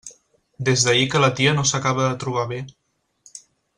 Des d'ahir que la tia no s'acaba de trobar bé.